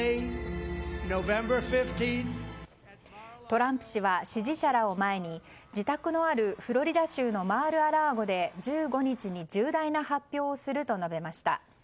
トランプ氏は支持者らを前に自宅のあるフロリダ州のマール・ア・ラーゴで１５日に重大な発表をすると述べました。